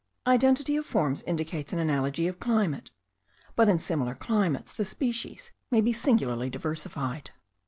Identity of forms indicates an analogy of climate; but in similar climates the species may be singularly diversified.